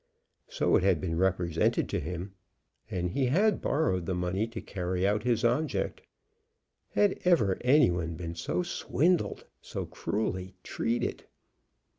So it had been represented to him, and he had borrowed the money to carry out his object. Had ever any one been so swindled, so cruelly treated!